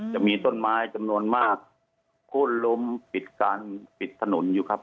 จะมีต้นไม้จำนวนมากโค้นล้มปิดการปิดถนนอยู่ครับ